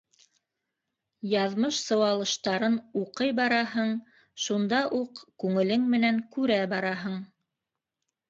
Яҙмыш сыуалыштарын уҡый бараһың, шунда уҡ күңелең менән күрә бараһың.